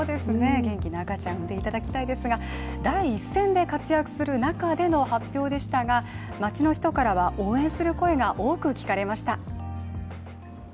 元気な赤ちゃんを産んでいただきたいですが、第一線で活躍する中での発表でしたが街の人からは応援する声が多く聞かれました。